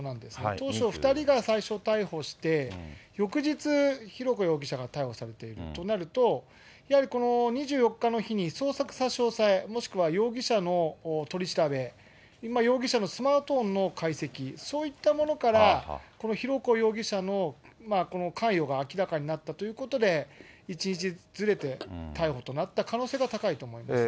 当初、２人が、最初逮捕して、翌日、浩子容疑者が逮捕されているとなると、やはりこの２４日の日に捜索差し押さえ、もしくは容疑者の取り調べ、容疑者のスマートフォンの解析、そういったものから、この浩子容疑者の関与が明らかになったということで、１日ずれて逮捕となった可能性が高いと思いますね。